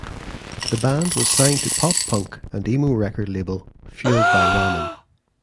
The band was signed to pop punk and emo record label Fueled by Ramen.